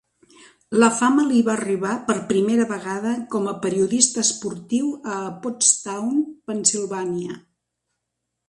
La fama li va arribar per primera vegada com a periodista esportiu a Pottstown, Pennsilvània.